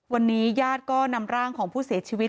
วันนี้ญาติก็นำร่างของผู้เสียชีวิต